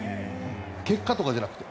結果とかじゃなくて。